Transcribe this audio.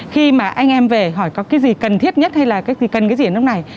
khi mà anh em về hỏi có cái gì cần thiết nhất hay là gì cần cái gì ở lúc này